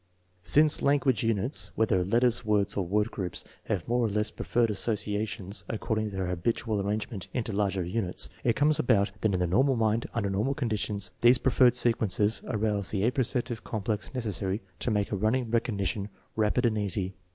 Since language units (whether letters, words, or word groups) have more or less preferred associations according to their habitual arrange ment into larger units, it comes about that in the normal mind under normal conditions these preferred sequences arouse the apperceptive complex necessary to make a run 2C6 THE MEASUREMENT OF INTELLIGENCE ning recognition rapid and easy.